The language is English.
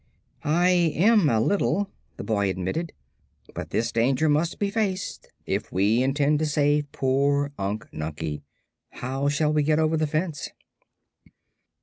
"I am, a little," the boy admitted; "but this danger must be faced, if we intend to save poor Unc Nunkie. How shall we get over the fence?"